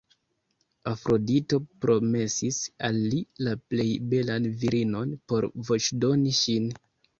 Afrodito promesis al li la plej belan virinon por voĉdoni ŝin.